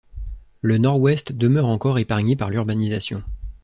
Le Nord-Ouest demeure encore épargné par l’urbanisation.